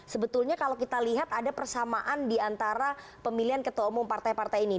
sebetulnya kalau kita lihat ada persamaan diantara pemilihan ketua umum partai partai ini